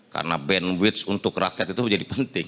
karena bandwidth untuk rakyat itu menjadi penting